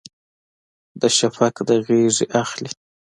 د شفق د غیږې اخلي